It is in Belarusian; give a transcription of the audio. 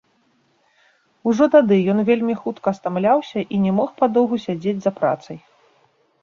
Ужо тады ён вельмі хутка стамляўся і не мог падоўгу сядзець за працай.